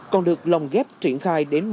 còn được lòng ghép triển khai đến một trăm linh